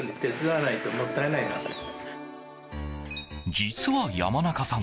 実は山中さん